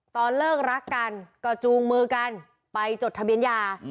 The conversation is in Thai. ตอนเลิกรักกันก็จูงมือกันไปจดทะเบียนยา